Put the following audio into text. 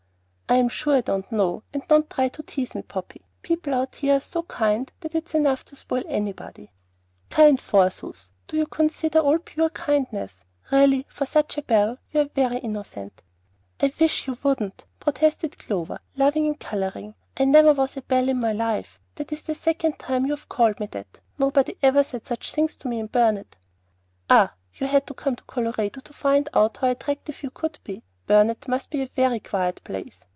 "I'm sure I don't know, and don't try to tease me, Poppy. People out here are so kind that it's enough to spoil anybody." "Kind, forsooth! Do you consider it all pure kindness? Really, for such a belle, you're very innocent." "I wish you wouldn't," protested Clover, laughing and coloring. "I never was a belle in my life, and that's the second time you've called me that. Nobody ever said such things to me in Burnet." "Ah, you had to come to Colorado to find out how attractive you could be. Burnet must be a very quiet place.